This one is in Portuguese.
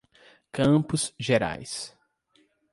Campos Gerais